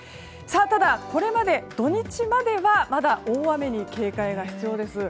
ただ、土日まではまだ大雨に警戒が必要です。